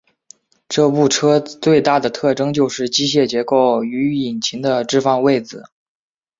这部车最大的特征就是机械结构与引擎的置放位子。